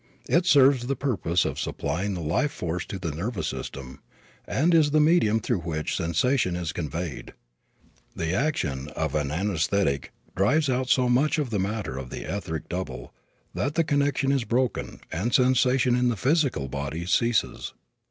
It serves the purpose of supplying the life force to the nervous system and is the medium through which sensation is conveyed. The action of an anaesthetic drives out so much of the matter of the etheric double that the connection is broken and sensation in the physical body ceases.